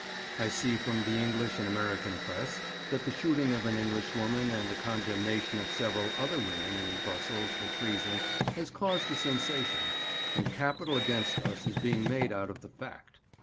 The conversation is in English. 'I see from the English and American press that the shooting of an Englishwoman and the condemnation of several other women in Brussels for treason has caused a sensation, and capital against us is being made out of the fact.